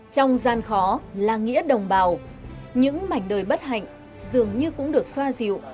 trong gian khó là nghĩa đồng bào những mảnh đời bất hạnh dường như cũng được xoa dịu